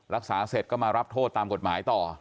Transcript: รักษาเสร็จก็มารับโทษตามกฎหมายต่อ